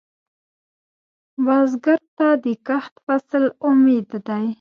بزګر ته د کښت فصل امید دی